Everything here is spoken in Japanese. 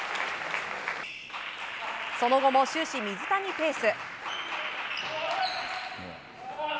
その後も終始、水谷ペース。